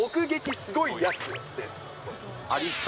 すごいやつです。